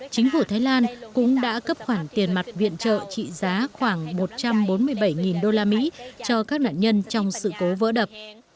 chính phủ thái lan cũng đã cấp khoản tiền mặt viện trợ trị giá khoảng một trăm bốn mươi bảy usd cho các nạn nhân trong sự cố vỡ đập